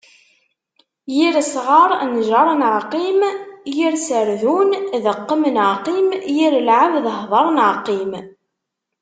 Yir sɣar, njer neɣ qqim. Yir serdun, deqqem neɣ qqim. Yir lɛebd, hder neɣ qqim.